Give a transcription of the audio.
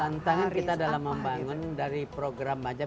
tantangan kita dalam membangun dari program pajak